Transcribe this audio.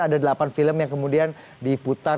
ada delapan film yang kemudian diputar